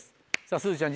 すずちゃん